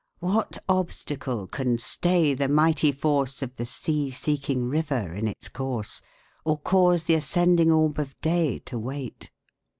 What obstacle can stay the mighty force Of the sea seeking river in its course, Or cause the ascending orb of day to wait?